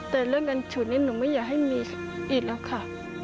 แต่เรื่องเงินฉุดนี้หนูไม่อยากให้มีอีกแล้วค่ะ